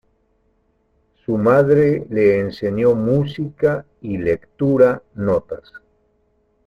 Su madre le enseñó música y lectura notas.